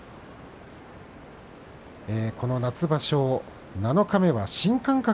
この夏場所七日目は「新感覚！